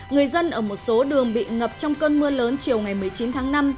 người dân ở một số đường bị ngập trong cơn mưa lớn chiều ngày một mươi chín tháng năm